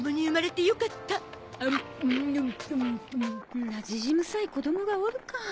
んなじじむさい子供がおるか。